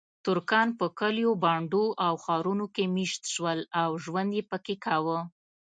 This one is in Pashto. ترکان په کلیو، بانډو او ښارونو کې میشت شول او ژوند یې پکې کاوه.